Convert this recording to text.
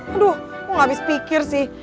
aduh lo gak habis pikir sih